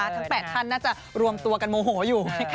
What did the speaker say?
ทั้ง๘ท่านน่าจะรวมตัวกันโมโหอยู่